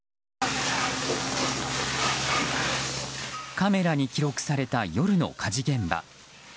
カメラに記録された夜の火事現場。